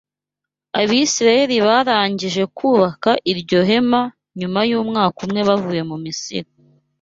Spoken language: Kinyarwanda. Abisirayeli barangije kubaka iryo hema nyuma y’umwaka umwe bavuye mu Misiri